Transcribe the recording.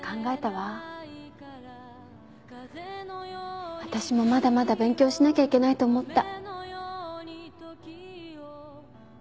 わたしもまだまだ勉強しなきゃいけないと思った。